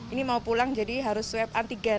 ini mau pulang jadi harus swab antigen